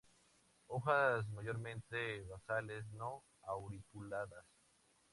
Hojas mayormente basales; no auriculadas.